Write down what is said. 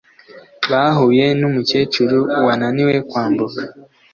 bahuye numukecuru wananiwe kwambuka